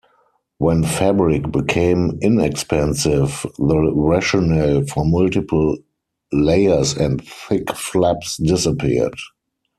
When fabric became inexpensive, the rationale for multiple layers and thick flaps disappeared.